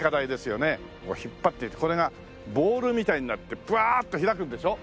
こう引っ張っていってこれがボールみたいになってブワーッと開くんでしょ？